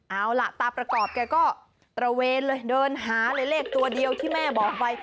เอาล่ะตาประกอบแกก็ตระเวนเลยเดินหาเลยเลขตัวเดียวที่แม่บอกไป